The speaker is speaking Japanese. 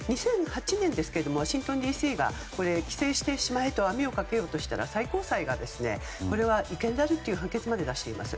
２００８年ですけどもワシントンＤＣが規制してしまえと網をかけようとしたら最高裁がこれは違憲であるという判決まで出しています。